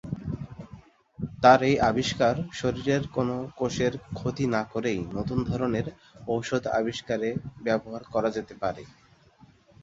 তার এই আবিষ্কার শরীরের কোন কোষের ক্ষতি না করেই নতুন ধরনের ঔষধ আবিষ্কারে ব্যবহার করা যেতে পারে।